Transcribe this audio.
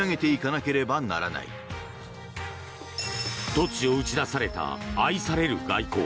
突如、打ち出された愛される外交。